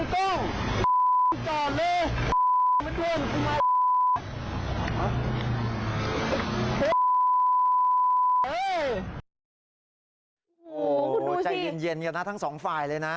โอ้โฮคุณดูสิใจเย็นอยู่นะทั้งสองฝ่ายเลยนะ